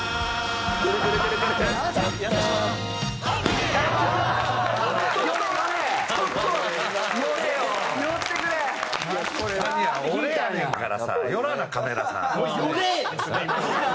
引いたんやからさ寄らなカメラさん。